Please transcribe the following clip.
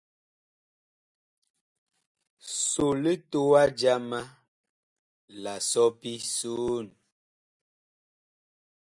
So litowa jama la sɔpi soon.